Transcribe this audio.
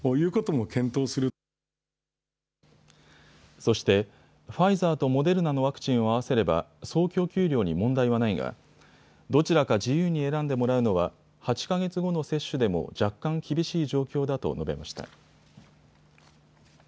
そしてファイザーとモデルナのワクチンを合わせれば総供給量に問題はないがどちらか自由に選んでもらうのは８か月後の接種でも若干厳しい状況だと述べました。